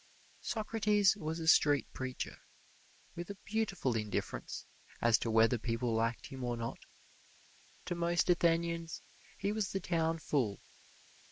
Socrates was a street preacher, with a beautiful indifference as to whether people liked him or not. To most Athenians he was the town fool.